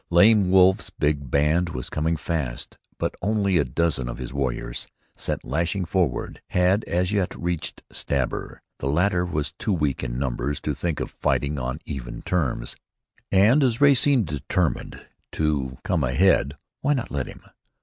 Lame Wolf's big band was coming fast, but only a dozen of his warriors, sent lashing forward, had as yet reached Stabber. The latter was too weak in numbers to think of fighting on even terms, and as Ray seemed determined to come ahead, why not let him?